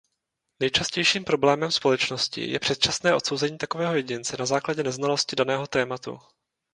Nejčastějším problémem společnosti je předčasné odsouzení takového jedince na základě neznalosti daného tématu.